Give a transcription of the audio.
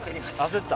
焦った？